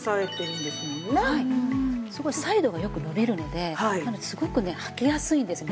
サイドがよく伸びるのですごくねはきやすいんですね